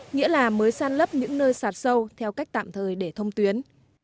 nghĩa là mới san lấp những nơi sạt sâu theo cách tạm thời để thông tuyến